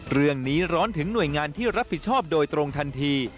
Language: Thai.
ร้อนถึงหน่วยงานที่รับผิดชอบโดยตรงทันที